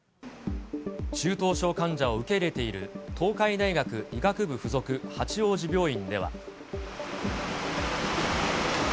中等症患者を受け入れている東海大学医学部付属八王子病院では。